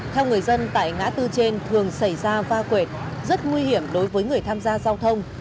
theo người dân tại ngã tư trên thường xảy ra va quệt rất nguy hiểm đối với người tham gia giao thông